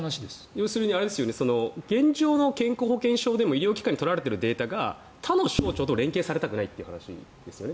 要するに現状の健康保険証でも医療機関に取られているデータを他の省庁と連携されたくないということですよね。